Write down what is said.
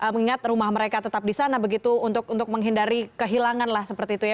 mengingat rumah mereka tetap di sana begitu untuk menghindari kehilangan lah seperti itu ya